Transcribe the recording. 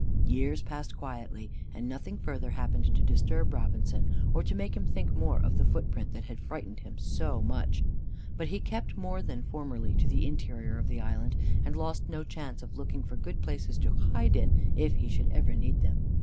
Years passed quietly, and nothing further happened to disturb Robinson, or to make him think more of the footprint that had frightened him so much. But he kept more than formerly to the interior of the island, and lost no chance of looking for good places to hide in, if he should ever need them.